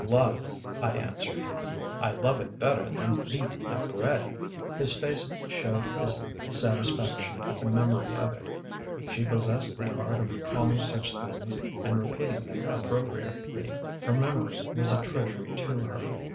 Love, I answered, I love it better than meat and bread. " ii2 THE PLEASANT WAYS OF ST. MEDARD His face showed his satisfaction at the memory of it. She possessed the art of recalling such things and repeating them appropriately. Her memory was a treasury to her.